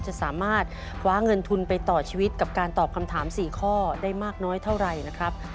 จะสามารถคว้าเงินทุนไปต่อชีวิตกับการตอบคำถาม๔ข้อได้มากน้อยเท่าไหร่นะครับ